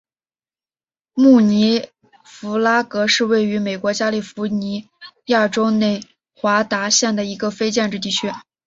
穆尼弗拉特是位于美国加利福尼亚州内华达县的一个非建制地区。